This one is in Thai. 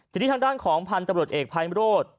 จนที่ทางด้านของพันธุ์ตำรวจเอกพันธุ์รถ